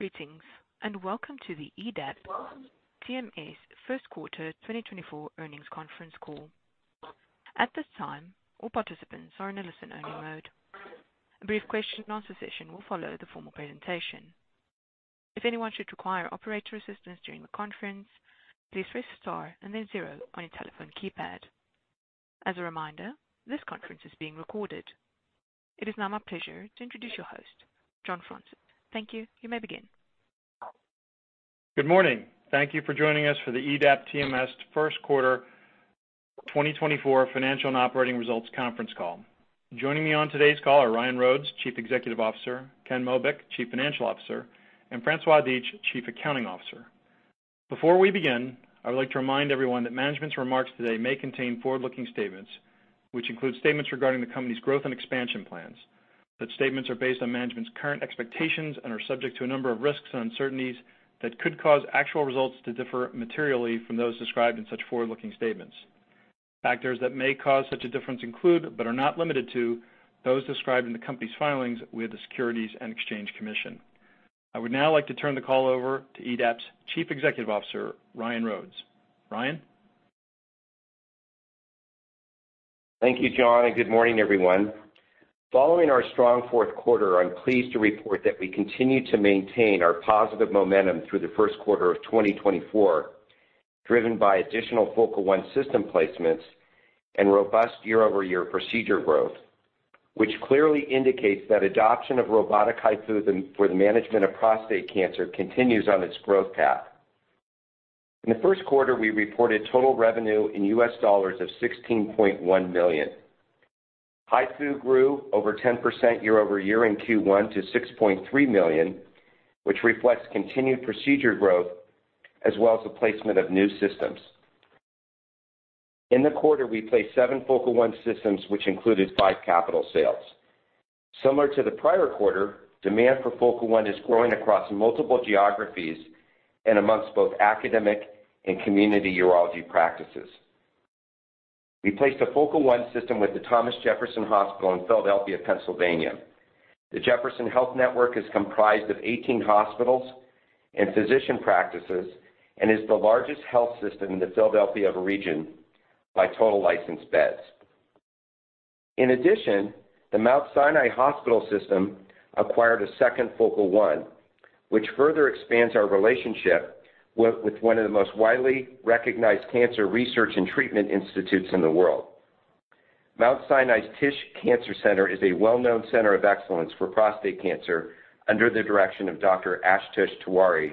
Greetings, and welcome to the EDAP TMS First Quarter 2024 Earnings Conference Call. At this time, all participants are in a listen-only mode. A brief question-and-answer session will follow the formal presentation. If anyone should require operator assistance during the conference, please press star and then zero on your telephone keypad. As a reminder, this conference is being recorded. It is now my pleasure to introduce your host, John Fraunces. Thank you. You may begin. Good morning. Thank you for joining us for the EDAP TMS first quarter 2024 financial and operating results conference call. Joining me on today's call are Ryan Rhodes, Chief Executive Officer; Ken Mobeck, Chief Financial Officer; and François Dietsch, Chief Accounting Officer. Before we begin, I would like to remind everyone that management's remarks today may contain forward-looking statements, which include statements regarding the company's growth and expansion plans. Such statements are based on management's current expectations and are subject to a number of risks and uncertainties that could cause actual results to differ materially from those described in such forward-looking statements. Factors that may cause such a difference include, but are not limited to, those described in the company's filings with the Securities and Exchange Commission. I would now like to turn the call over to EDAP's Chief Executive Officer, Ryan Rhodes. Ryan? Thank you, John, and good morning, everyone. Following our strong fourth quarter, I'm pleased to report that we continue to maintain our positive momentum through the first quarter of 2024, driven by additional Focal One system placements and robust year-over-year procedure growth, which clearly indicates that adoption of robotic HIFU for the management of prostate cancer continues on its growth path. In the first quarter, we reported total revenue in US dollars of $16.1 million. HIFU grew over 10% year-over-year in Q1 to $6.3 million, which reflects continued procedure growth as well as the placement of new systems. In the quarter, we placed 7 Focal One systems, which included 5 capital sales. Similar to the prior quarter, demand for Focal One is growing across multiple geographies and amongst both academic and community urology practices. We placed a Focal One system with the Thomas Jefferson Hospital in Philadelphia, Pennsylvania. The Jefferson Health Network is comprised of 18 hospitals and physician practices and is the largest health system in the Philadelphia region by total licensed beds. In addition, the Mount Sinai Health System acquired a second Focal One, which further expands our relationship with one of the most widely recognized cancer research and treatment institutes in the world. Mount Sinai's Tisch Cancer Center is a well-known center of excellence for prostate cancer under the direction of Dr. Ashutosh Tewari,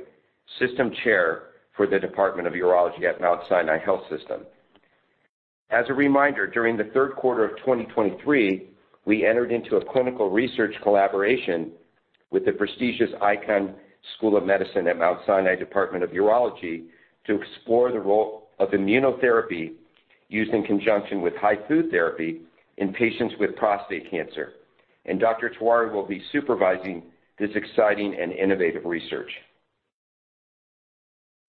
system chair for the Department of Urology at Mount Sinai Health System. As a reminder, during the third quarter of 2023, we entered into a clinical research collaboration with the prestigious Icahn School of Medicine at Mount Sinai Department of Urology to explore the role of immunotherapy used in conjunction with HIFU therapy in patients with prostate cancer, and Dr. Tewari will be supervising this exciting and innovative research.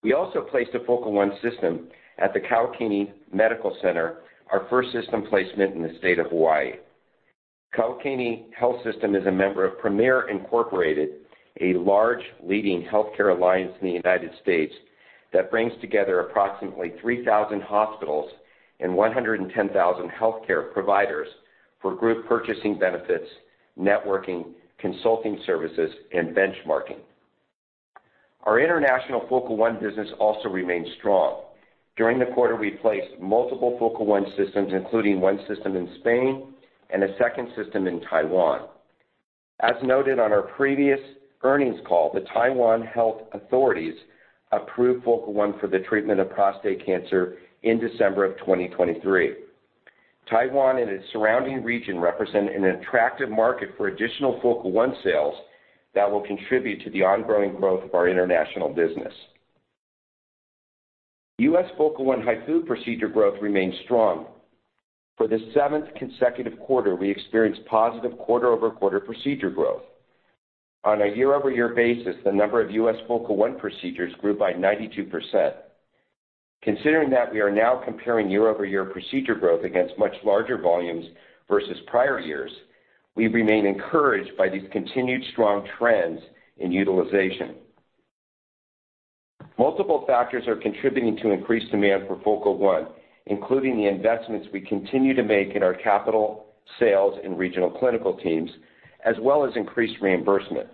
We also placed a Focal One system at the Kauai Medical Clinic, our first system placement in the state of Hawaii. Kauai Health System is a member of Premier, Inc., a large leading healthcare alliance in the United States that brings together approximately 3,000 hospitals and 110,000 healthcare providers for group purchasing benefits, networking, consulting services, and benchmarking. Our international Focal One business also remains strong. During the quarter, we placed multiple Focal One systems, including one system in Spain and a second system in Taiwan. As noted on our previous earnings call, the Taiwan health authorities approved Focal One for the treatment of prostate cancer in December 2023. Taiwan and its surrounding region represent an attractive market for additional Focal One sales that will contribute to the ongoing growth of our international business. U.S. Focal One HIFU procedure growth remains strong. For the seventh consecutive quarter, we experienced positive quarter-over-quarter procedure growth. On a year-over-year basis, the number of U.S. Focal One procedures grew by 92%. Considering that we are now comparing year-over-year procedure growth against much larger volumes versus prior years, we remain encouraged by these continued strong trends in utilization. Multiple factors are contributing to increased demand for Focal One, including the investments we continue to make in our capital sales and regional clinical teams, as well as increased reimbursement.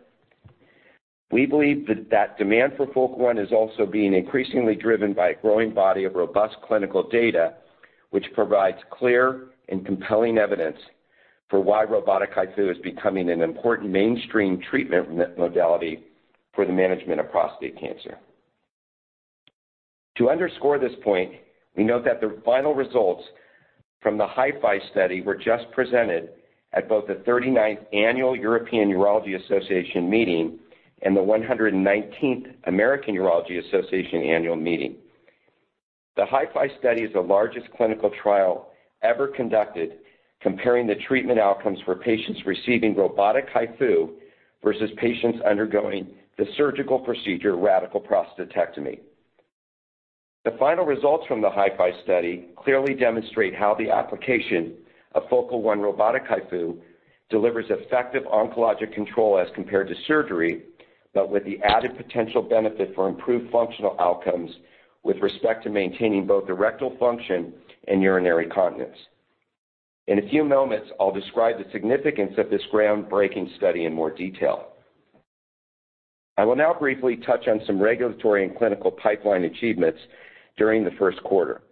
We believe that demand for Focal One is also being increasingly driven by a growing body of robust clinical data, which provides clear and compelling evidence for why robotic HIFU is becoming an important mainstream treatment modality for the management of prostate cancer. To underscore this point, we note that the final results from the HIFI Study were just presented at both the 39th Annual European Association of Urology Meeting and the 119th American Urological Association Annual Meeting. The HIFI Study is the largest clinical trial ever conducted comparing the treatment outcomes for patients receiving robotic HIFU versus patients undergoing the surgical procedure, radical prostatectomy. The final results from the HIFI Study clearly demonstrate how the application of Focal One robotic HIFU delivers effective oncologic control as compared to surgery, but with the added potential benefit for improved functional outcomes with respect to maintaining both erectile function and urinary continence. In a few moments, I'll describe the significance of this groundbreaking study in more detail. I will now briefly touch on some regulatory and clinical pipeline achievements during the first quarter.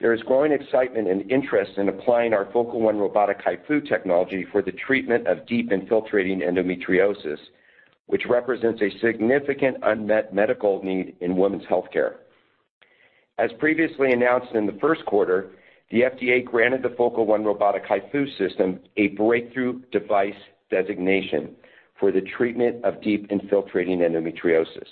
There is growing excitement and interest in applying our Focal One robotic HIFU technology for the treatment of deep-infiltrating endometriosis, which represents a significant unmet medical need in women's healthcare. As previously announced, in the first quarter, the FDA granted the Focal One robotic HIFU system a breakthrough device designation for the treatment of deep-infiltrating endometriosis.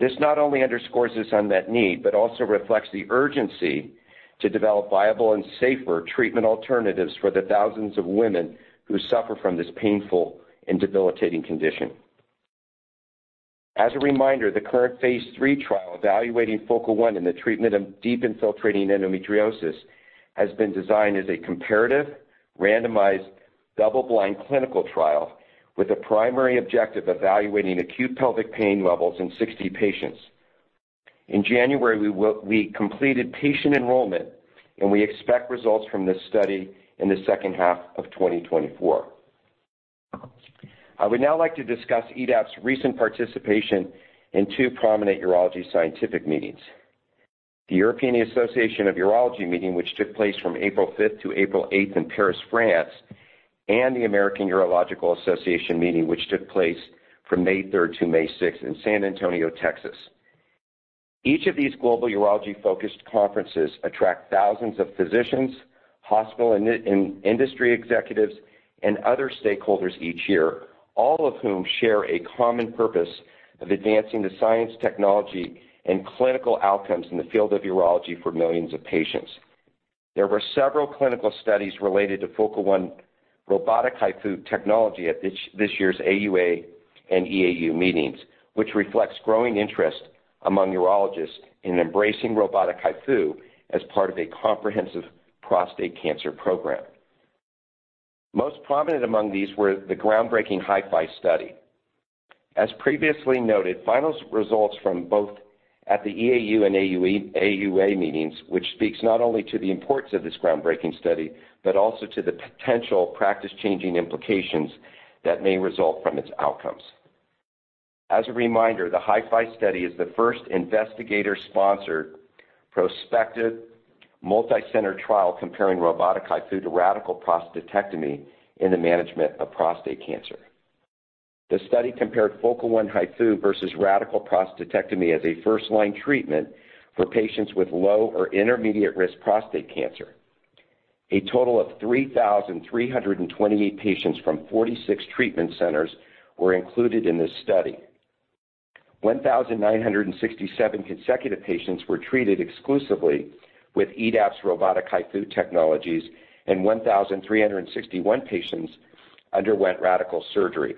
This not only underscores this unmet need, but also reflects the urgency to develop viable and safer treatment alternatives for the thousands of women who suffer from this painful and debilitating condition. As a reminder, the current phase III trial evaluating Focal One in the treatment of deep-infiltrating endometriosis has been designed as a comparative, randomized, double-blind clinical trial with a primary objective evaluating acute pelvic pain levels in 60 patients. In January, we completed patient enrollment, and we expect results from this study in the second half of 2024. I would now like to discuss EDAP's recent participation in two prominent urology scientific meetings: the European Association of Urology meeting, which took place from April 5 to April 8 in Paris, France, and the American Urological Association meeting, which took place from May 3-May 6 in San Antonio, Texas. Each of these global urology-focused conferences attract thousands of physicians, hospital and industry executives, and other stakeholders each year, all of whom share a common purpose of advancing the science, technology, and clinical outcomes in the field of urology for millions of patients. There were several clinical studies related to Focal One robotic HIFU technology at this year's AUA and EAU meetings, which reflects growing interest among urologists in embracing robotic HIFU as part of a comprehensive prostate cancer program. Most prominent among these were the groundbreaking HIFI Study. As previously noted, final results from both at the EAU and AUA meetings, which speaks not only to the importance of this groundbreaking study, but also to the potential practice-changing implications that may result from its outcomes. As a reminder, the HIFI Study is the first investigator-sponsored, prospective, multicenter trial comparing robotic HIFU to radical prostatectomy in the management of prostate cancer. The study compared Focal One HIFU versus radical prostatectomy as a first-line treatment for patients with low or intermediate-risk prostate cancer. A total of 3,328 patients from 46 treatment centers were included in this study. 1,967 consecutive patients were treated exclusively with EDAP's robotic HIFU technologies, and 1,361 patients underwent radical surgery.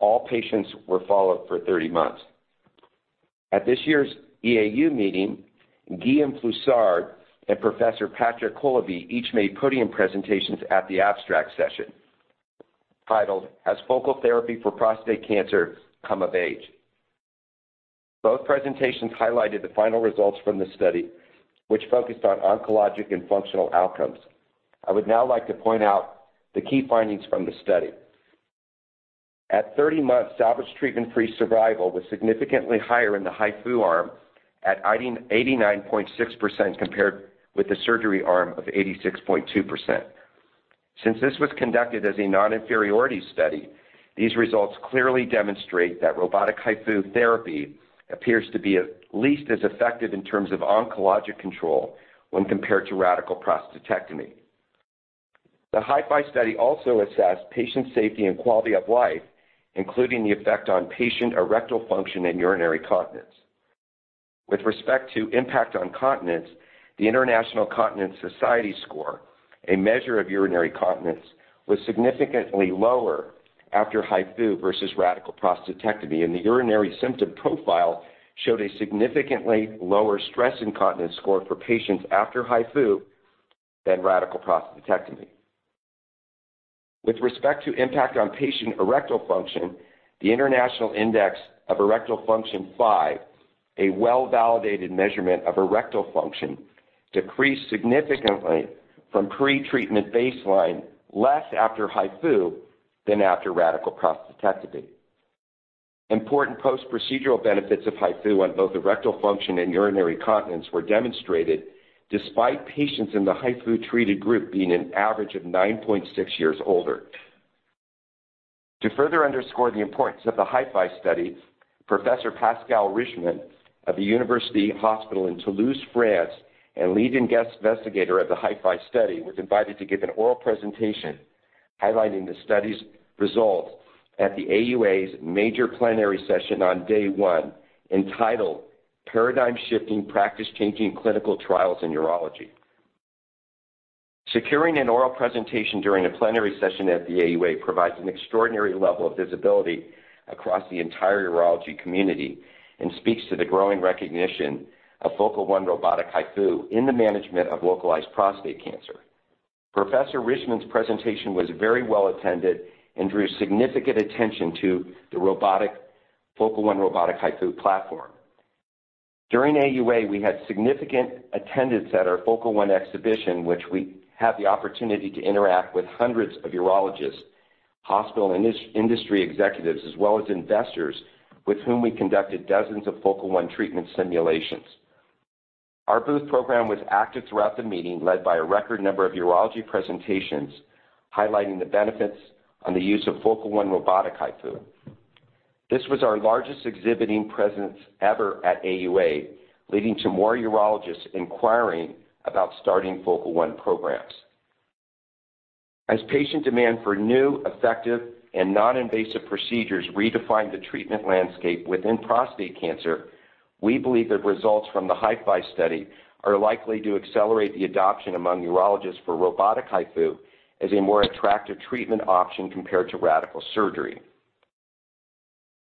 All patients were followed for 30 months. At this year's EAU meeting, Guillaume Ploussard and Professor Patrick Coloby each made podium presentations at the abstract session, titled Has Focal Therapy for Prostate Cancer Come of Age? Both presentations highlighted the final results from the study, which focused on oncologic and functional outcomes. I would now like to point out the key findings from the study. At 30 months, salvage treatment-free survival was significantly higher in the HIFU arm at 89.6%, compared with the surgery arm of 86.2%. Since this was conducted as a non-inferiority study, these results clearly demonstrate that robotic HIFU therapy appears to be at least as effective in terms of oncologic control when compared to radical prostatectomy. The HIFI Study also assessed patient safety and quality of life, including the effect on patient erectile function and urinary continence. With respect to impact on continence, the International Continence Society score, a measure of urinary continence, was significantly lower after HIFU versus radical prostatectomy, and the urinary symptom profile showed a significantly lower stress incontinence score for patients after HIFU than radical prostatectomy. With respect to impact on patient erectile function, the International Index of Erectile Function 5, a well-validated measurement of erectile function, decreased significantly from pretreatment baseline, less after HIFU than after radical prostatectomy. Important post-procedural benefits of HIFU on both erectile function and urinary continence were demonstrated, despite patients in the HIFU-treated group being an average of 9.6 years older. To further underscore the importance of the HIFI Study, Professor Pascal Rischmann of the University Hospital in Toulouse, France, and leading guest investigator of the HIFI Study, was invited to give an oral presentation highlighting the study's results at the AUA's major plenary session on day one, entitled Paradigm Shifting, Practice Changing Clinical Trials in Urology. Securing an oral presentation during a plenary session at the AUA provides an extraordinary level of visibility across the entire urology community and speaks to the growing recognition of Focal One robotic HIFU in the management of localized prostate cancer. Professor Rischmann's presentation was very well attended and drew significant attention to the Focal One robotic HIFU platform. During AUA, we had significant attendance at our Focal One exhibition, which we had the opportunity to interact with hundreds of urologists, hospital industry executives, as well as investors, with whom we conducted dozens of Focal One treatment simulations. Our booth program was active throughout the meeting, led by a record number of urology presentations, highlighting the benefits on the use of Focal One robotic HIFU. This was our largest exhibiting presence ever at AUA, leading to more urologists inquiring about starting Focal One programs. As patient demand for new, effective, and non-invasive procedures redefine the treatment landscape within prostate cancer, we believe the results from the HIFI Study are likely to accelerate the adoption among urologists for robotic HIFU as a more attractive treatment option compared to radical surgery.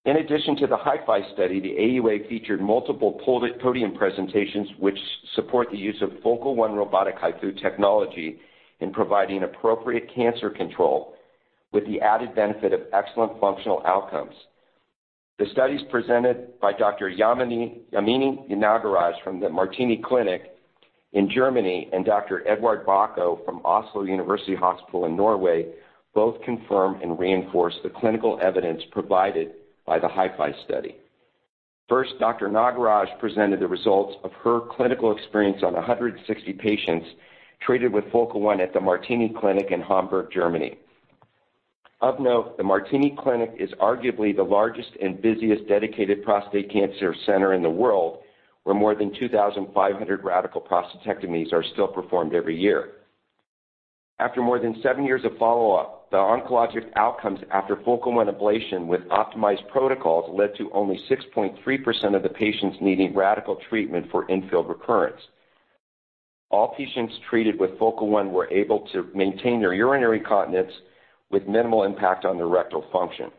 In addition to the HIFI Study, the AUA featured multiple podium presentations, which support the use of Focal One robotic HIFU technology in providing appropriate cancer control, with the added benefit of excellent functional outcomes. The studies presented by Dr. Yamini Nagaraj from the Martini-Klinik in Germany, and Dr. Eduard Baco from Oslo University Hospital in Norway, both confirm and reinforce the clinical evidence provided by the HIFI Study. First, Dr. Nagaraj presented the results of her clinical experience on 160 patients treated with Focal One at the Martini-Klinik in Hamburg, Germany. Of note, the Martini-Klinik is arguably the largest and busiest dedicated prostate cancer center in the world, where more than 2,500 radical prostatectomies are still performed every year. After more than seven years of follow-up, the oncologic outcomes after Focal One ablation with optimized protocols led to only 6.3% of the patients needing radical treatment for in-field recurrence. All patients treated with Focal One were able to maintain their urinary continence with minimal impact on their rectal function.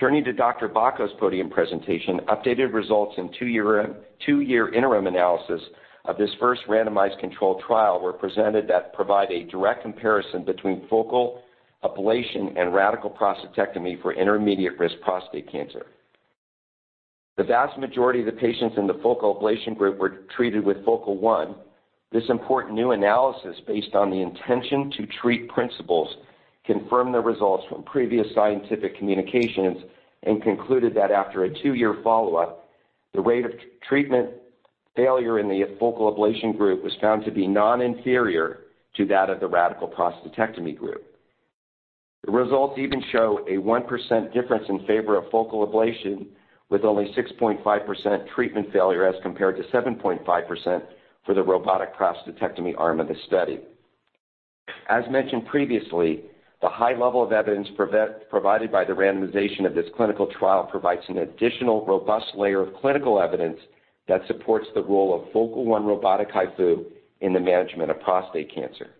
Turning to Dr. Bakko's podium presentation, updated results in two-year interim analysis of this first randomized controlled trial were presented that provide a direct comparison between focal ablation and radical prostatectomy for intermediate-risk prostate cancer. The vast majority of the patients in the focal ablation group were treated with Focal One. This important new analysis, based on the intention to treat principles, confirmed the results from previous scientific communications and concluded that after a two-year follow-up, the rate of treatment failure in the focal ablation group was found to be non-inferior to that of the radical prostatectomy group. The results even show a 1% difference in favor of focal ablation, with only 6.5% treatment failure, as compared to 7.5% for the robotic prostatectomy arm of the study. As mentioned previously, the high level of evidence provided by the randomization of this clinical trial provides an additional robust layer of clinical evidence that supports the role of Focal One robotic HIFU in the management of prostate cancer.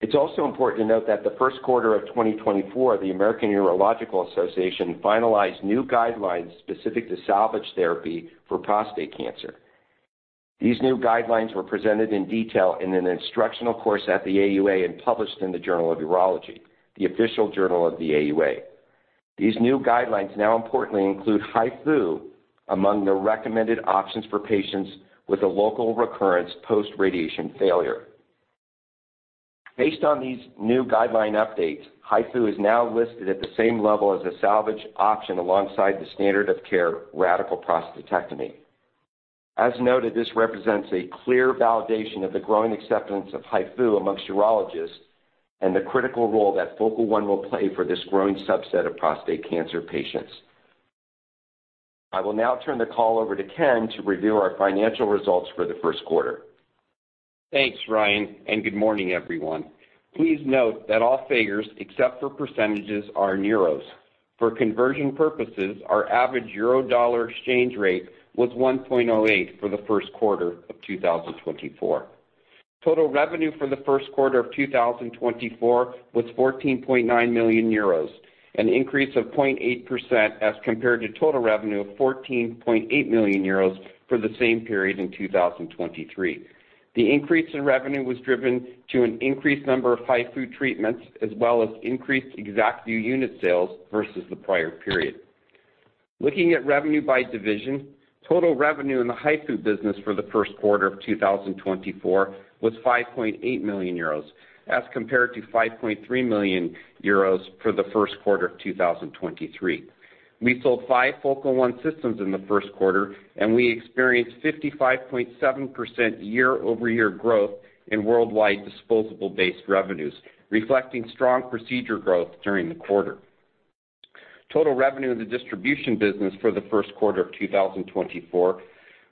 It's also important to note that the first quarter of 2024, the American Urological Association finalized new guidelines specific to salvage therapy for prostate cancer. These new guidelines were presented in detail in an instructional course at the AUA and published in the Journal of Urology, the official journal of the AUA. These new guidelines now importantly include HIFU among the recommended options for patients with a local recurrence post-radiation failure. Based on these new guideline updates, HIFU is now listed at the same level as a salvage option alongside the standard of care, radical prostatectomy. As noted, this represents a clear validation of the growing acceptance of HIFU amongst urologists and the critical role that Focal One will play for this growing subset of prostate cancer patients. I will now turn the call over to Ken to review our financial results for the first quarter. Thanks, Ryan, and good morning, everyone. Please note that all figures, except for percentages, are in euros. For conversion purposes, our average euro-dollar exchange rate was 1.08 for the first quarter of 2024. Total revenue for the first quarter of 2024 was 14.9 million euros, an increase of 0.8% as compared to total revenue of 14.8 million euros for the same period in 2023. The increase in revenue was driven to an increased number of HIFU treatments, as well as increased ExactVu unit sales versus the prior period. Looking at revenue by division, total revenue in the HIFU business for the first quarter of 2024 was 5.8 million euros, as compared to 5.3 million euros for the first quarter of 2023. We sold 5 Focal One systems in the first quarter, and we experienced 55.7% year-over-year growth in worldwide disposable-based revenues, reflecting strong procedure growth during the quarter. Total revenue in the distribution business for the first quarter of 2024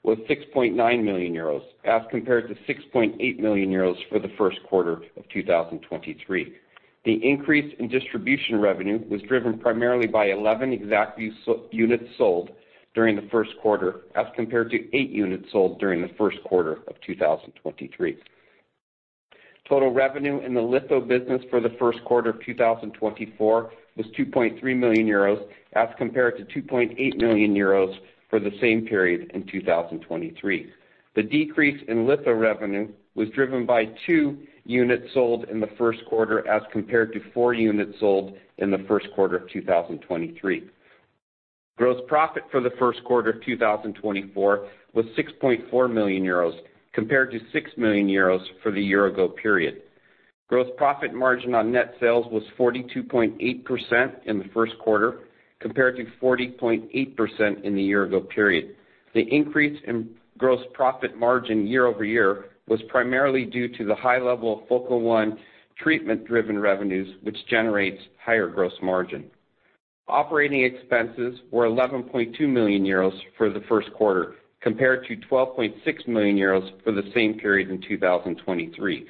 was 6.9 million euros, as compared to 6.8 million euros for the first quarter of 2023. The increase in distribution revenue was driven primarily by 11 ExactVu units sold during the first quarter, as compared to 8 units sold during the first quarter of 2023. Total revenue in the litho business for the first quarter of 2024 was 2.3 million euros, as compared to 2.8 million euros for the same period in 2023. The decrease in litho revenue was driven by 2 units sold in the first quarter, as compared to 4 units sold in the first quarter of 2023. Gross profit for the first quarter of 2024 was 6.4 million euros, compared to 6 million euros for the year ago period. Gross profit margin on net sales was 42.8% in the first quarter, compared to 40.8% in the year ago period. The increase in gross profit margin year-over-year was primarily due to the high level of Focal One treatment-driven revenues, which generates higher gross margin. Operating expenses were 11.2 million euros for the first quarter, compared to 12.6 million euros for the same period in 2023.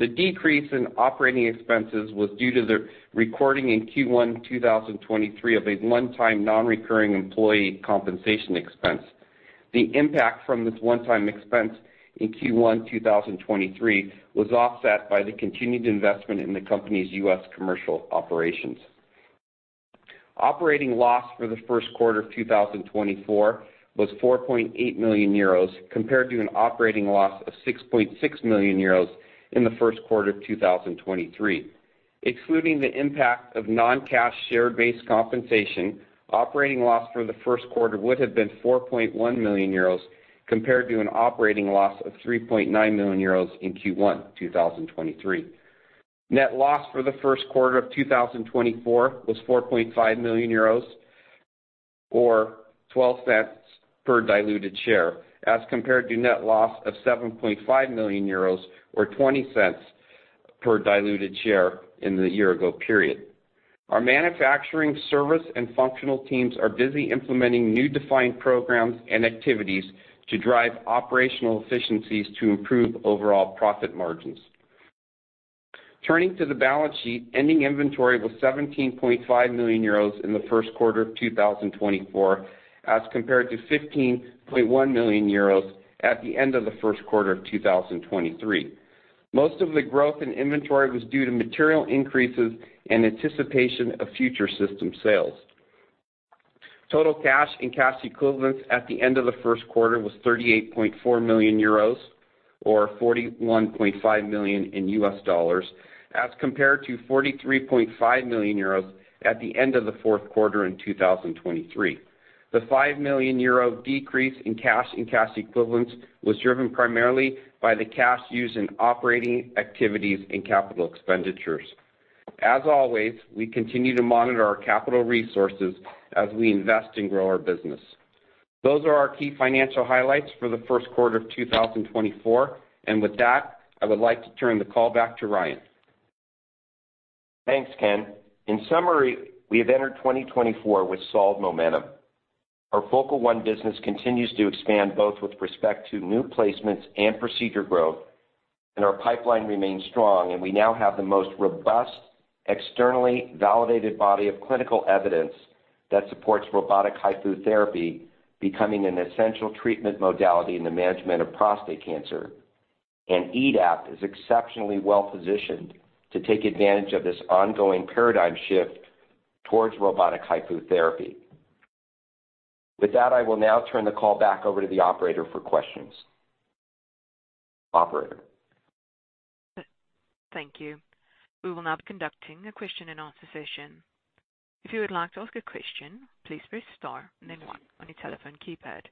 The decrease in operating expenses was due to the recording in Q1 2023 of a one-time, non-recurring employee compensation expense. The impact from this one-time expense in Q1 2023 was offset by the continued investment in the company's U.S. commercial operations. Operating loss for the first quarter of 2024 was 4.8 million euros, compared to an operating loss of 6.6 million euros in the first quarter of 2023. Excluding the impact of non-cash share-based compensation, operating loss for the first quarter would have been 4.1 million euros, compared to an operating loss of 3.9 million euros in Q1 2023. Net loss for the first quarter of 2024 was 4.5 million euros, or $0.12 per diluted share, as compared to net loss of 7.5 million euros or $0.20 per diluted share in the year ago period. Our manufacturing, service, and functional teams are busy implementing new defined programs and activities to drive operational efficiencies to improve overall profit margins. Turning to the balance sheet, ending inventory was 17.5 million euros in the first quarter of 2024, as compared to 15.1 million euros at the end of the first quarter of 2023. Most of the growth in inventory was due to material increases in anticipation of future system sales. Total cash and cash equivalents at the end of the first quarter was 38.4 million euros, or $41.5 million, as compared to 43.5 million euros at the end of the fourth quarter in 2023. The 5 million euro decrease in cash and cash equivalents was driven primarily by the cash used in operating activities and capital expenditures. As always, we continue to monitor our capital resources as we invest and grow our business. Those are our key financial highlights for the first quarter of 2024. With that, I would like to turn the call back to Ryan. Thanks, Ken. In summary, we have entered 2024 with solid momentum. Our Focal One business continues to expand, both with respect to new placements and procedure growth, and our pipeline remains strong. We now have the most robust, externally validated body of clinical evidence that supports robotic HIFU therapy becoming an essential treatment modality in the management of prostate cancer. EDAP is exceptionally well positioned to take advantage of this ongoing paradigm shift towards robotic HIFU therapy. With that, I will now turn the call back over to the operator for questions. Operator? Thank you. We will now be conducting a question-and-answer session. If you would like to ask a question, please press star and then one on your telephone keypad.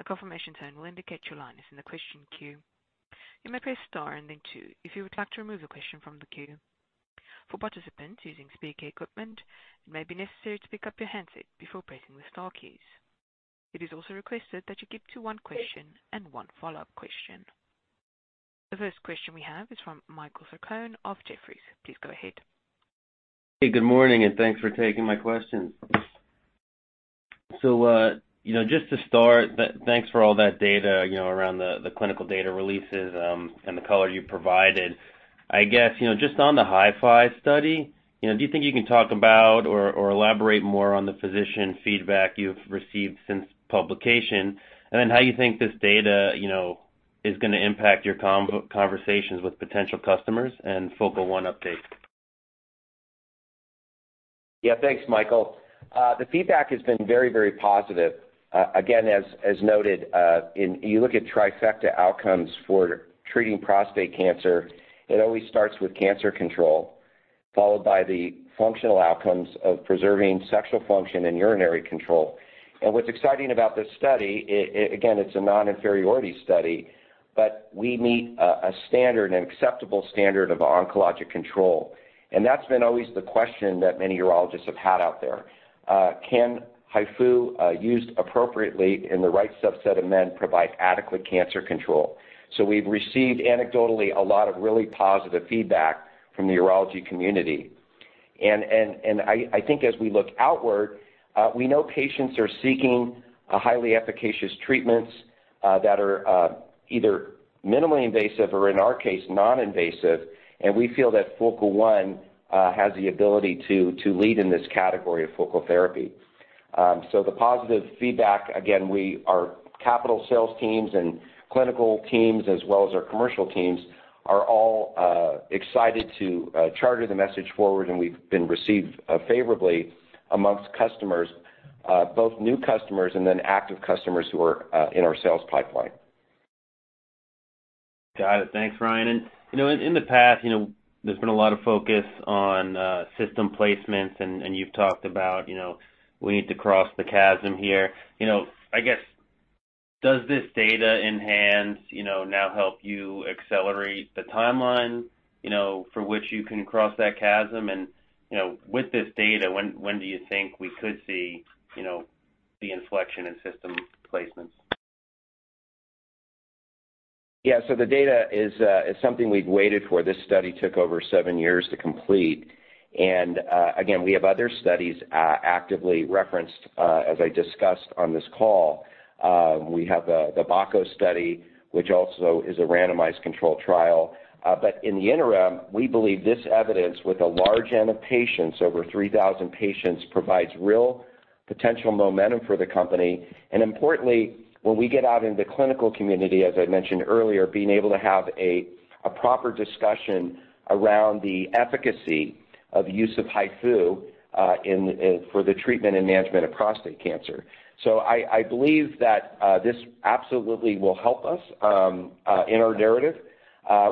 A confirmation tone will indicate your line is in the question queue. You may press star and then two if you would like to remove a question from the queue. For participants using speaker equipment, it may be necessary to pick up your handset before pressing the star keys. It is also requested that you keep to one question and one follow-up question. The first question we have is from Michael Saccone of Jefferies. Please go ahead. Hey, good morning, and thanks for taking my questions. So, you know, just to start, thanks for all that data, you know, around the clinical data releases, and the color you provided. I guess, you know, just on the HIFI Study do you think you can talk about or elaborate more on the physician feedback you've received since publication? And then how you think this data, you know, is gonna impact your conversations with potential customers and Focal One update. Yeah, thanks, Michael. The feedback has been very, very positive. Again, as noted, you look at trifecta outcomes for treating prostate cancer, it always starts with cancer control, followed by the functional outcomes of preserving sexual function and urinary control. And what's exciting about this study, again, it's a non-inferiority study, but we meet a standard, an acceptable standard of oncologic control. And that's been always the question that many urologists have had out there: Can HIFU, used appropriately in the right subset of men, provide adequate cancer control? So we've received, anecdotally, a lot of really positive feedback from the urology community. And I think as we look outward, we know patients are seeking a highly efficacious treatments. That are either minimally invasive or, in our case, non-invasive, and we feel that Focal One has the ability to lead in this category of focal therapy. So the positive feedback, again, our capital sales teams and clinical teams, as well as our commercial teams, are all excited to charter the message forward, and we've been received favorably amongst customers, both new customers and then active customers who are in our sales pipeline. Got it. Thanks, Ryan. And, you know, in the past, you know, there's been a lot of focus on system placements, and you've talked about, you know, we need to cross the chasm here. You know, I guess, does this data enhance, you know, now help you accelerate the timeline, you know, for which you can cross that chasm? And, you know, with this data, when do you think we could see, you know, the inflection in system placements? Yeah, so the data is, is something we've waited for. This study took over seven years to complete. And, again, we have other studies, actively referenced, as I discussed on this call. We have, the Bakko study, which also is a randomized controlled trial. But in the interim, we believe this evidence with a large N of patients, over 3,000 patients, provides real potential momentum for the company. And importantly, when we get out in the clinical community, as I mentioned earlier, being able to have a proper discussion around the efficacy of use of HIFU, in, for the treatment and management of prostate cancer. So I believe that, this absolutely will help us, in our narrative.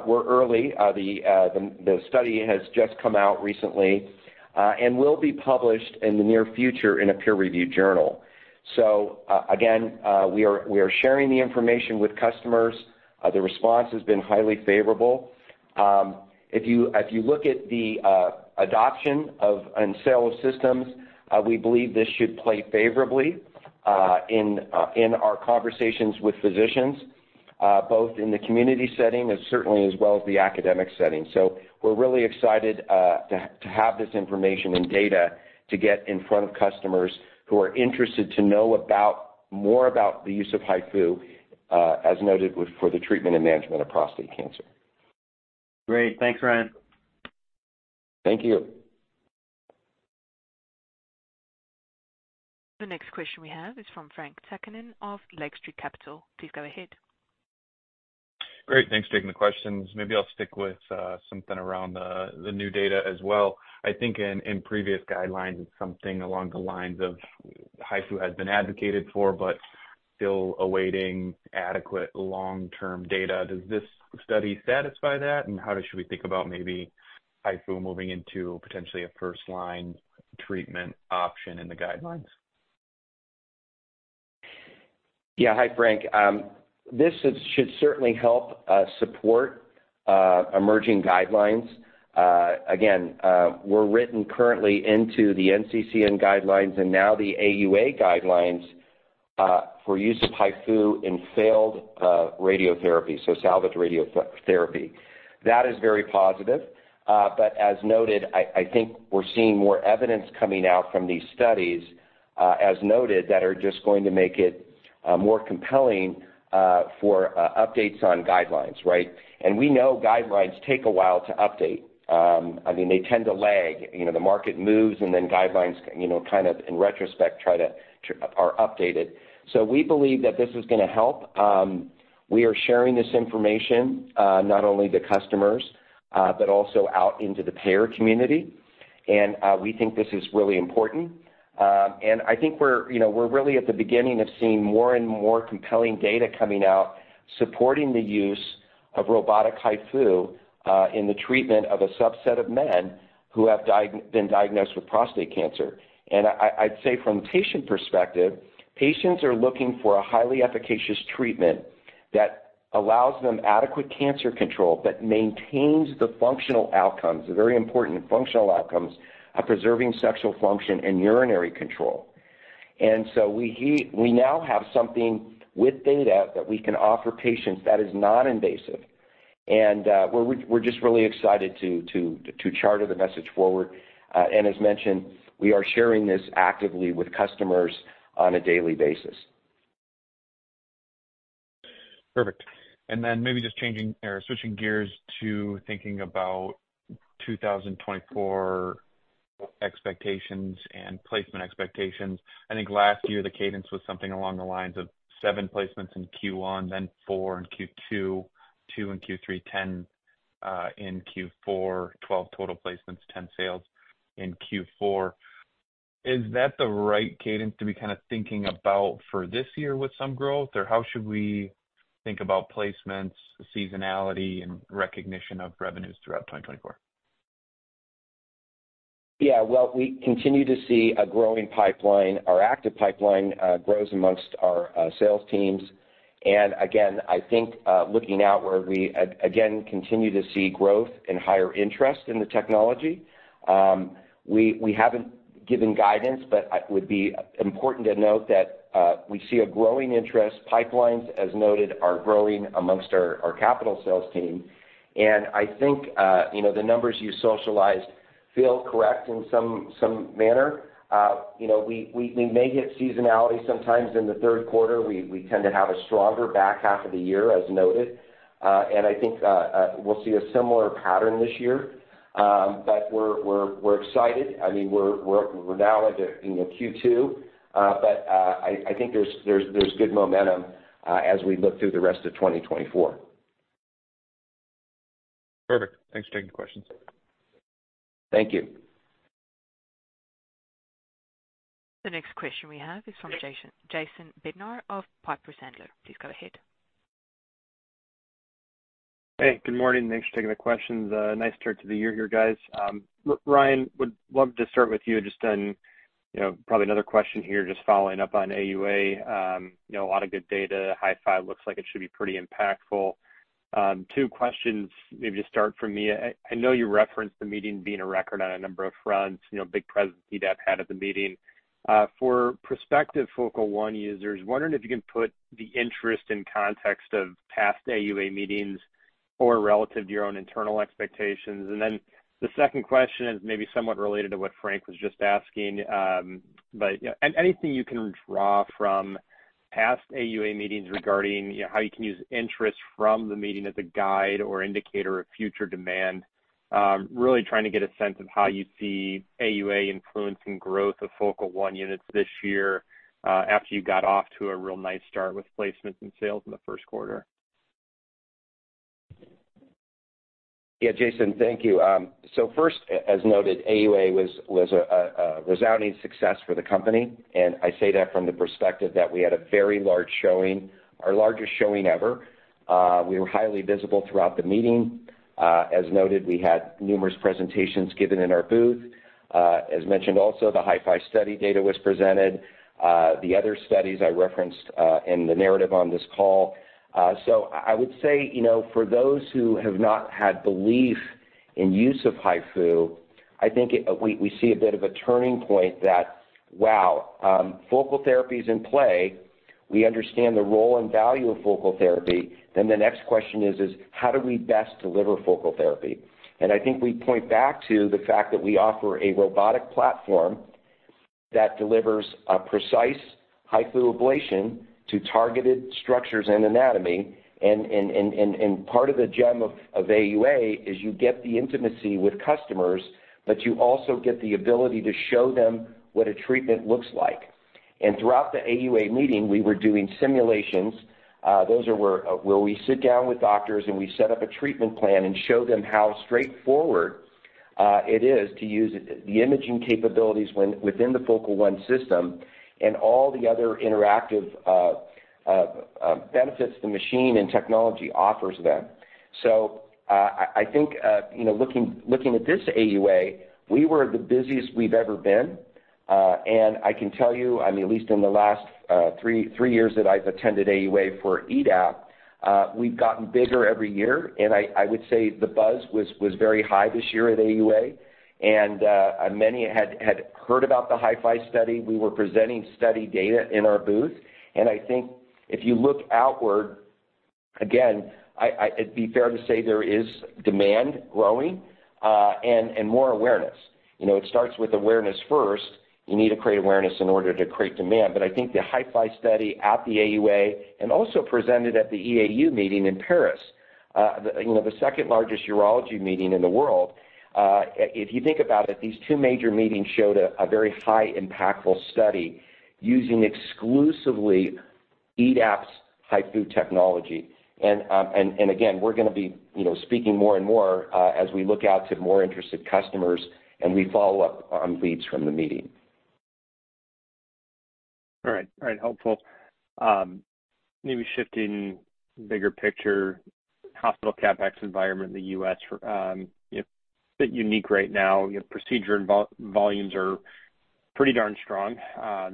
We're early. The study has just come out recently and will be published in the near future in a peer-reviewed journal. So, again, we are sharing the information with customers. The response has been highly favorable. If you look at the adoption of and sale of systems, we believe this should play favorably in our conversations with physicians, both in the community setting and certainly as well as the academic setting. So we're really excited to have this information and data to get in front of customers who are interested to know about more about the use of HIFU, as noted, with, for the treatment and management of prostate cancer. Great. Thanks, Ryan. Thank you. The next question we have is from Frank Takkinen of Lake Street Capital. Please go ahead. Great. Thanks, taking the questions. Maybe I'll stick with something around the new data as well. I think in previous guidelines, something along the lines of HIFU has been advocated for, but still awaiting adequate long-term data. Does this study satisfy that? And how should we think about maybe HIFU moving into potentially a first-line treatment option in the guidelines? Yeah. Hi, Frank. This is, should certainly help support emerging guidelines. Again, we're written currently into the NCCN guidelines and now the AUA guidelines, for use of HIFU in failed radiotherapy, so salvage radiotherapy. That is very positive. But as noted, I think we're seeing more evidence coming out from these studies, as noted, that are just going to make it more compelling for updates on guidelines, right? And we know guidelines take a while to update. I mean, they tend to lag. You know, the market moves, and then guidelines, you know, kind of in retrospect, try to-- are updated. So we believe that this is going to help. We are sharing this information not only to customers but also out into the payer community, and we think this is really important. And I think we're, you know, we're really at the beginning of seeing more and more compelling data coming out, supporting the use of robotic HIFU in the treatment of a subset of men who have been diagnosed with prostate cancer. I'd say from a patient perspective, patients are looking for a highly efficacious treatment that allows them adequate cancer control, but maintains the functional outcomes, the very important functional outcomes of preserving sexual function and urinary control. And so we now have something with data that we can offer patients that is not invasive. And we're just really excited to charter the message forward. As mentioned, we are sharing this actively with customers on a daily basis. Perfect. And then maybe just changing or switching gears to thinking about 2024 expectations and placement expectations. I think last year, the cadence was something along the lines of 7 placements in Q1, then 4 in Q2, 2 in Q3, 10 in Q4, 12 total placements, 10 sales in Q4. Is that the right cadence to be kind of thinking about for this year with some growth? Or how should we think about placements, seasonality, and recognition of revenues throughout 2024? Yeah, well, we continue to see a growing pipeline. Our active pipeline grows among our sales teams. And again, I think, looking out where we again continue to see growth and higher interest in the technology, we haven't given guidance, but it would be important to note that we see a growing interest. Pipelines, as noted, are growing among our capital sales team. And I think, you know, the numbers you socialized feel correct in some manner. You know, we may hit seasonality sometimes in the third quarter. We tend to have a stronger back half of the year, as noted. And I think we'll see a similar pattern this year. But we're excited. I mean, we're now into, you know, Q2, but I think there's good momentum, as we look through the rest of 2024. Perfect. Thanks for taking the questions. Thank you. The next question we have is from Jason- Jason Bednar of Piper Sandler. Please go ahead. Hey, good morning. Thanks for taking the questions. Nice start to the year here, guys. Ryan, would love to start with you. Just then, you know, probably another question here, just following up on AUA. You know, a lot of good data. HiFi looks like it should be pretty impactful. Two questions, maybe just start for me. I know you referenced the meeting being a record on a number of fronts, you know, big presence EDAP had at the meeting. For prospective Focal One users, wondering if you can put the interest in context of past AUA meetings or relative to your own internal expectations. The second question is maybe somewhat related to what Frank was just asking, but, yeah, anything you can draw from past AUA meetings regarding, you know, how you can use interest from the meeting as a guide or indicator of future demand? Really trying to get a sense of how you see AUA influencing growth of Focal One units this year, after you got off to a real nice start with placements and sales in the first quarter. Yeah, Jason, thank you. So first, as noted, AUA was a resounding success for the company, and I say that from the perspective that we had a very large showing, our largest showing ever. We were highly visible throughout the meeting. As noted, we had numerous presentations given in our booth. As mentioned also, the HIFI Study data was presented, the other studies I referenced, in the narrative on this call. So I would say, you know, for those who have not had belief in use of HIFU, I think it, we see a bit of a turning point that, wow, focal therapy is in play. We understand the role and value of focal therapy. Then the next question is how do we best deliver focal therapy? And I think we point back to the fact that we offer a robotic platform that delivers a precise HIFU ablation to targeted structures and anatomy. And part of the gem of AUA is you get the intimacy with customers, but you also get the ability to show them what a treatment looks like. And throughout the AUA meeting, we were doing simulations, those are where, where we sit down with doctors and we set up a treatment plan and show them how straightforward it is to use it, the imaging capabilities within the Focal One system and all the other interactive benefits the machine and technology offers them. So, I think you know looking at this AUA, we were the busiest we've ever been. I can tell you, I mean, at least in the last three years that I've attended AUA for EDAP, we've gotten bigger every year, and I would say the buzz was very high this year at AUA, and many had heard about the HIFI Study. We were presenting study data in our booth, and I think if you look outward, again, it'd be fair to say there is demand growing, and more awareness. You know, it starts with awareness first. You need to create awareness in order to create demand. But I think the HIFI Study at the AUA and also presented at the EAU meeting in Paris, the second-largest urology meeting in the world. If you think about it, these two major meetings showed a very high-impactful study using exclusively EDAP's HIFU technology. And again, we're going to be, you know, speaking more and more, as we look out to more interested customers, and we follow up on leads from the meeting. All right, all right, helpful. Maybe shifting bigger picture, hospital CapEx environment in the U.S., you know, a bit unique right now. Your procedure and volumes are pretty darn strong.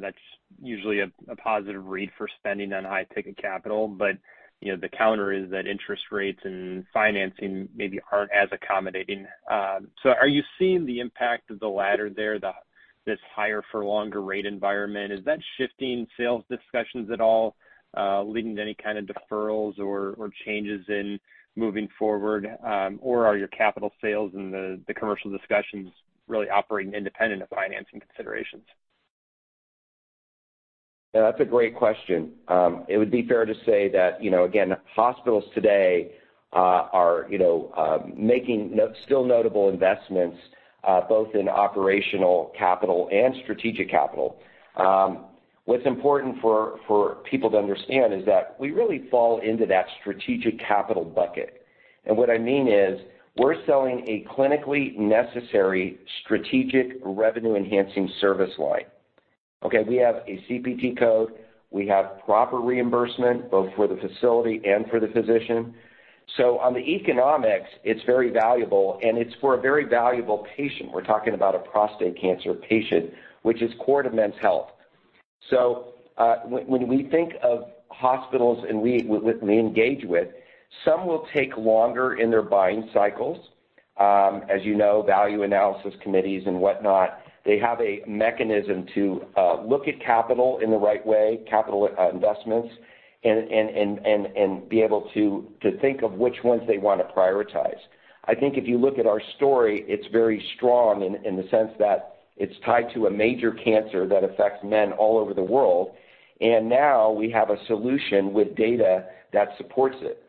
That's usually a positive read for spending on high-ticket capital, but, you know, the counter is that interest rates and financing maybe aren't as accommodating. So are you seeing the impact of the latter there, this higher for longer rate environment? Is that shifting sales discussions at all, leading to any kind of deferrals or changes in moving forward? Or are your capital sales and the commercial discussions really operating independent of financing considerations? That's a great question. It would be fair to say that, you know, again, hospitals today are, you know, making still notable investments, both in operational capital and strategic capital. What's important for people to understand is that we really fall into that strategic capital bucket. And what I mean is, we're selling a clinically necessary strategic revenue-enhancing service line. Okay? We have a CPT code. We have proper reimbursement, both for the facility and for the physician. So on the economics, it's very valuable, and it's for a very valuable patient. We're talking about a prostate cancer patient, which is core to men's health. So, when we think of hospitals and we engage with, some will take longer in their buying cycles. As you know, value analysis committees and whatnot, they have a mechanism to look at capital in the right way, capital investments, and be able to think of which ones they want to prioritize. I think if you look at our story, it's very strong in the sense that it's tied to a major cancer that affects men all over the world. And now we have a solution with data that supports it.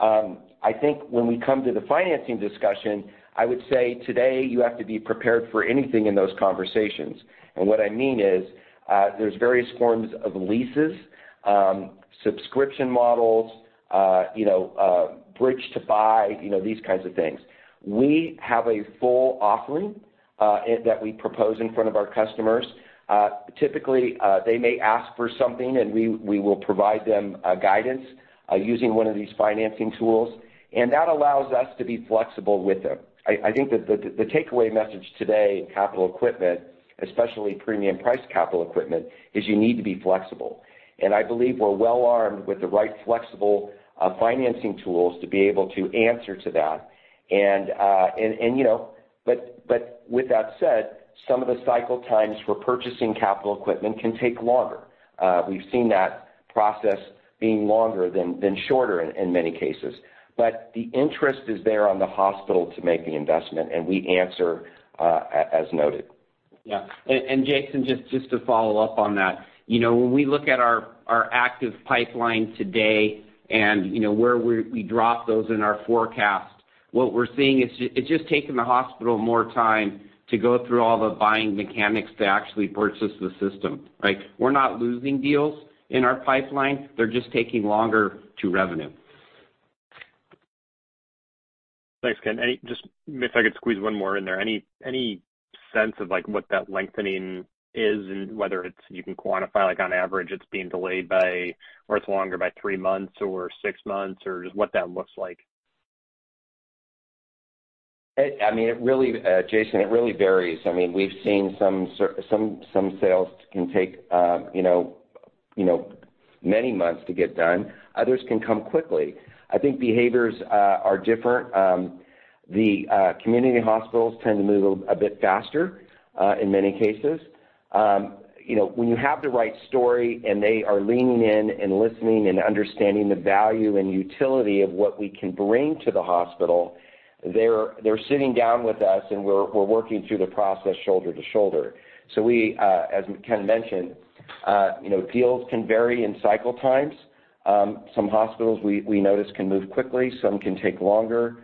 I think when we come to the financing discussion, I would say today, you have to be prepared for anything in those conversations. And what I mean is, there's various forms of leases, subscription models, you know, bridge to buy, you know, these kinds of things. We have a full offering that we propose in front of our customers. Typically, they may ask for something, and we will provide them a guidance using one of these financing tools, and that allows us to be flexible with them. I think that the takeaway message today in capital equipment, especially premium price capital equipment, is you need to be flexible. And I believe we're well armed with the right flexible financing tools to be able to answer to that. And, you know, but, but with that said, some of the cycle times for purchasing capital equipment can take longer. We've seen that process being longer than shorter in many cases. But the interest is there on the hospital to make the investment, and we answer, as noted. Yeah. And Jason, just to follow up on that. You know, when we look at our active pipeline today and, you know, where we drop those in our forecast, what we're seeing is it's just taking the hospital more time to go through all the buying mechanics to actually purchase the system, right? We're not losing deals in our pipeline. They're just taking longer to revenue. Thanks, Ken. Just if I could squeeze one more in there. Any sense of, like, what that lengthening is and whether it's you can quantify, like, on average, it's being delayed by, or it's longer by three months or six months, or just what that looks like? It, I mean, it really, Jason, it really varies. I mean, we've seen some sales can take, you know, many months to get done. Others can come quickly. I think behaviors are different. The community hospitals tend to move a little bit faster in many cases. You know, when you have the right story, and they are leaning in and listening and understanding the value and utility of what we can bring to the hospital, they're sitting down with us, and we're working through the process shoulder to shoulder. So we, as Ken mentioned, you know, deals can vary in cycle times. Some hospitals we notice can move quickly, some can take longer.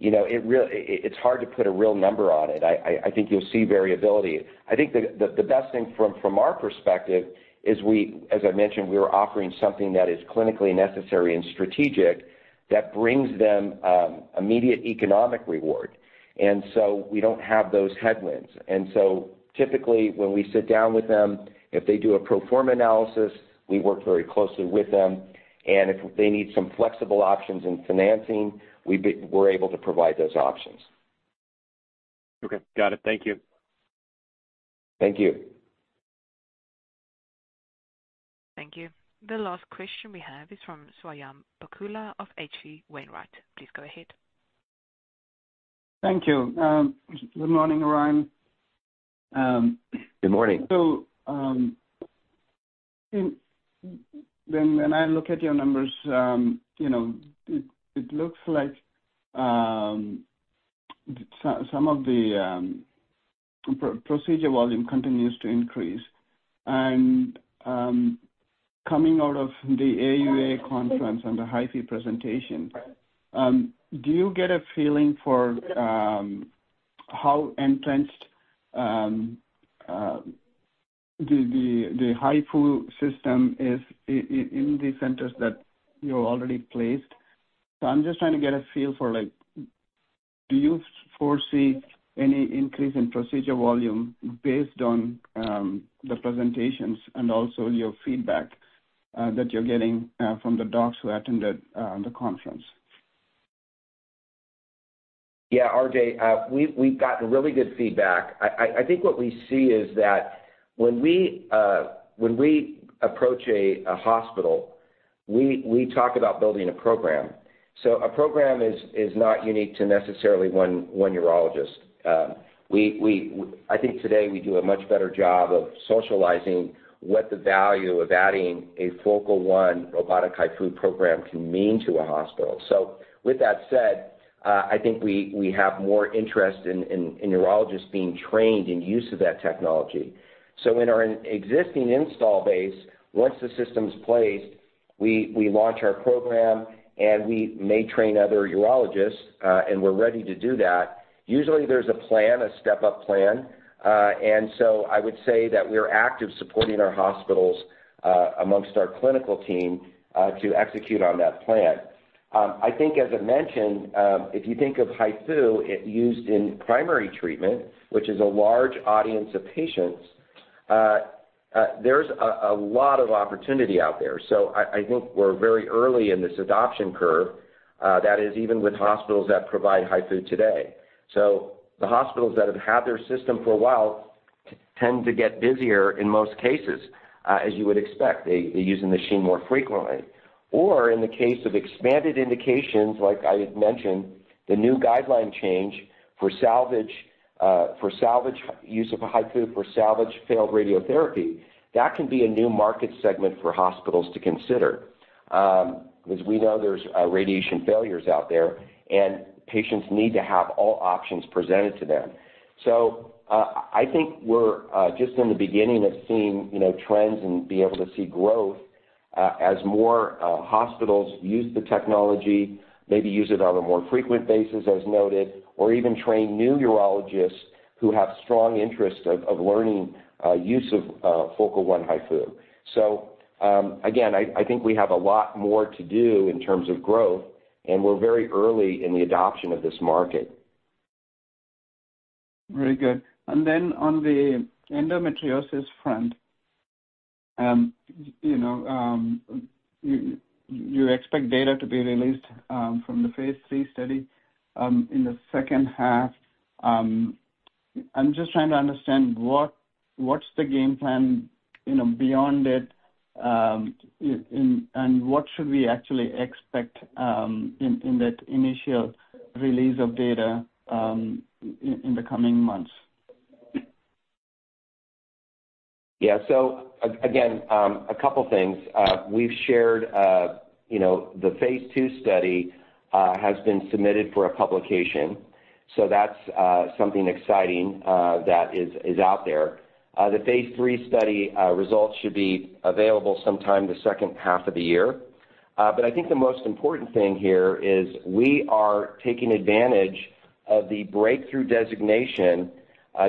You know, it, it's hard to put a real number on it. I think you'll see variability. I think the best thing from our perspective is we, as I mentioned, we are offering something that is clinically necessary and strategic that brings them immediate economic reward. And so we don't have those headwinds. And so typically, when we sit down with them, if they do a pro forma analysis, we work very closely with them, and if they need some flexible options in financing, we're able to provide those options. Okay, got it. Thank you. Thank you. Thank you. The last question we have is from Swayampakula Ramakanth of H.C. Wainwright. Please go ahead. Thank you. Good morning, Ryan. Good morning. So, when I look at your numbers, you know, it looks like some of the procedure volume continues to increase. And coming out of the AUA conference and the HIFU presentation, do you get a feeling for how entrenched the HIFU system is in the centers that you're already placed? So I'm just trying to get a feel for, like, do you foresee any increase in procedure volume based on the presentations and also your feedback that you're getting from the docs who attended the conference? Yeah, RK, we've gotten really good feedback. I think what we see is that when we approach a hospital, we talk about building a program. So a program is not unique to necessarily one urologist. I think today we do a much better job of socializing what the value of adding a Focal One robotic HIFU program can mean to a hospital. So with that said, I think we have more interest in urologists being trained in use of that technology. So in our existing install base, once the system's placed, we launch our program, and we may train other urologists, and we're ready to do that. Usually there's a plan, a step-up plan, and so I would say that we're active supporting our hospitals, among our clinical team, to execute on that plan. I think as I mentioned, if you think of HIFU, it used in primary treatment, which is a large audience of patients, there's a lot of opportunity out there. So I think we're very early in this adoption curve, that is even with hospitals that provide HIFU today. So the hospitals that have had their system for a while tend to get busier in most cases, as you would expect. They use the machine more frequently. Or in the case of expanded indications, like I had mentioned, the new guideline change for salvage, for salvage use of a HIFU, for salvage failed radiotherapy, that can be a new market segment for hospitals to consider. As we know, there's, radiation failures out there, and patients need to have all options presented to them. So, I think we're, just in the beginning of seeing, you know, trends and be able to see growth, as more, hospitals use the technology, maybe use it on a more frequent basis, as noted, or even train new urologists who have strong interest of learning, use of, Focal One HIFU. So, again, I think we have a lot more to do in terms of growth, and we're very early in the adoption of this market. Very good. And then on the endometriosis front, you know, you expect data to be released from the phase III study in the second half. I'm just trying to understand: what's the game plan, you know, beyond it, and what should we actually expect in that initial release of data in the coming months? Yeah. So again, a couple things. We've shared, you know, the phase II study has been submitted for a publication, so that's something exciting that is out there. The phase III study results should be available sometime the second half of the year. But I think the most important thing here is we are taking advantage of the breakthrough designation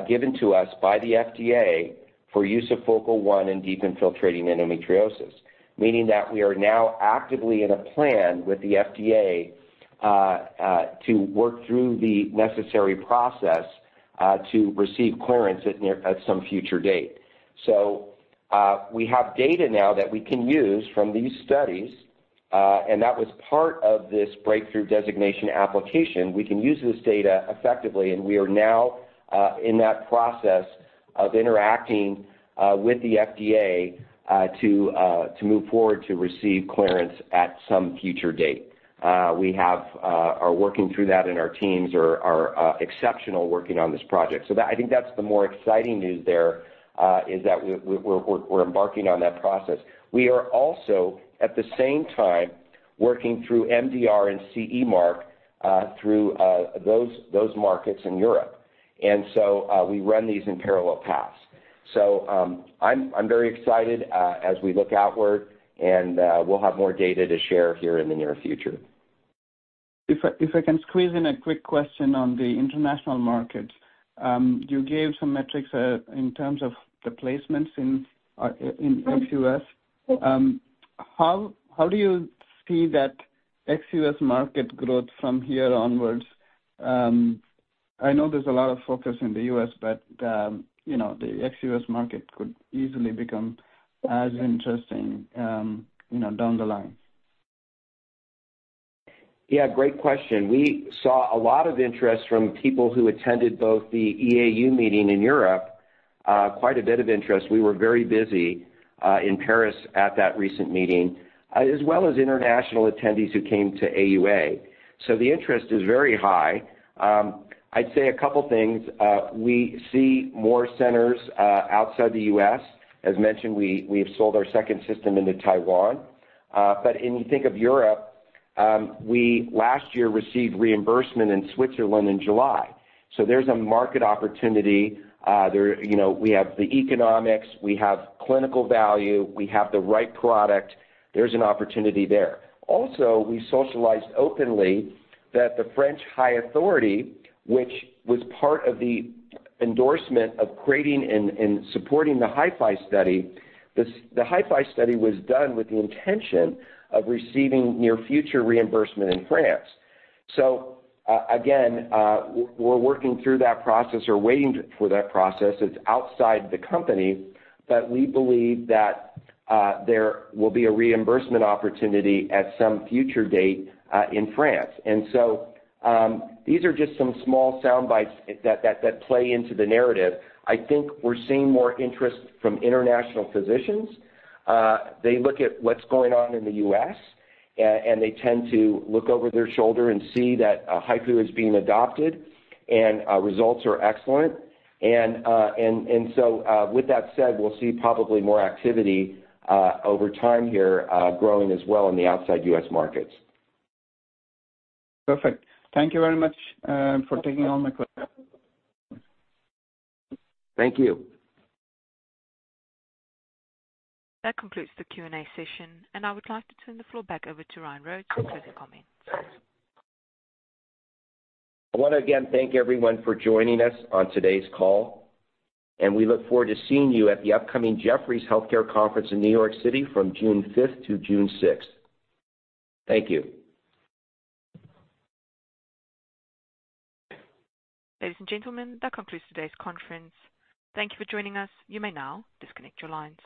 given to us by the FDA for use of Focal One in deep infiltrating endometriosis, meaning that we are now actively in a plan with the FDA to work through the necessary process to receive clearance at some future date. So we have data now that we can use from these studies, and that was part of this breakthrough designation application. We can use this data effectively, and we are now in that process of interacting with the FDA to move forward to receive clearance at some future date. We are working through that, and our teams are exceptional working on this project. So I think that's the more exciting news there is that we're embarking on that process. We are also, at the same time, working through MDR and CE Mark through those markets in Europe. And so we run these in parallel paths. So I'm very excited as we look outward, and we'll have more data to share here in the near future. If I can squeeze in a quick question on the international market. You gave some metrics in terms of the placements in ex-U.S. How do you see that ex-U.S. market growth from here onwards? I know there's a lot of focus in the U.S., but, you know, the ex-U.S. market could easily become as interesting, you know, down the line. Yeah, great question. We saw a lot of interest from people who attended both the EAU meeting in Europe, quite a bit of interest. We were very busy in Paris at that recent meeting, as well as international attendees who came to AUA. So the interest is very high. I'd say a couple things. We see more centers outside the U.S. As mentioned, we, we've sold our second system into Taiwan. But when you think of Europe, we last year received reimbursement in Switzerland in July. So there's a market opportunity. You know, we have the economics, we have clinical value, we have the right product. There's an opportunity there. Also, we socialized openly that the French High Authority, which was part of the endorsement of creating and supporting the HIFI Study, the HIFI Study was done with the intention of receiving near future reimbursement in France. So, again, we're working through that process or waiting for that process. It's outside the company, but we believe that there will be a reimbursement opportunity at some future date in France. And so, these are just some small soundbites that play into the narrative. I think we're seeing more interest from international physicians. They look at what's going on in the US, and they tend to look over their shoulder and see that HIFU is being adopted and results are excellent. So, with that said, we'll see probably more activity over time here, growing as well in the outside U.S. markets. Perfect. Thank you very much, for taking all my questions. Thank you. That concludes the Q&A session, and I would like to turn the floor back over to Ryan Rhodes for closing comments. I wanna again thank everyone for joining us on today's call, and we look forward to seeing you at the upcoming Jefferies Healthcare Conference in New York City from June fifth to June sixth. Thank you. Ladies and gentlemen, that concludes today's conference. Thank you for joining us. You may now disconnect your lines.